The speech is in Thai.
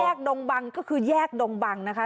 ดงบังก็คือแยกดงบังนะคะ